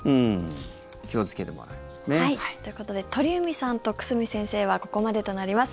気をつけてもらいましょう。ということで鳥海さんと久住先生はここまでとなります。